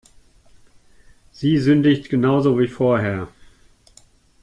Sie sündigt genau so wie vorher.